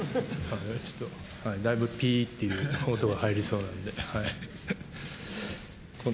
ちょっと、だいぶぴーっていう音が入りそうなので。